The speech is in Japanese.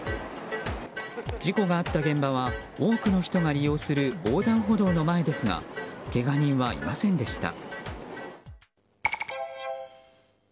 事故があった現場は多くの人が利用する横断歩道の前ですがけが人はいませんでした。